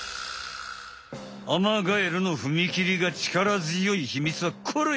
アマガエルのふみきりがちからづよいひみつはこれ！